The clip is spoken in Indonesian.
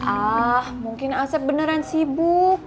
ah mungkin asep beneran sibuk